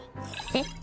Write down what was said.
えっ？